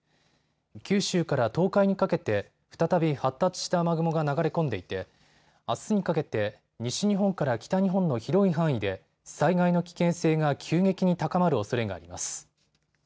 九州から東海にかけて再び発達した雨雲が流れ込んでいてあすにかけて西日本から北日本の広い範囲で災害の危険性が急激に高まるおそれがあります。